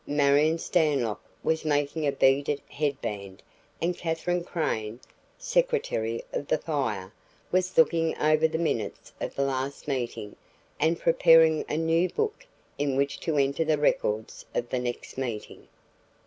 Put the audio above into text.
Marion Stanlock was making a beaded head band and Katherine Crane, secretary of the Fire, was looking over the minutes of the last meeting and preparing a new book in which to enter the records of the next meeting.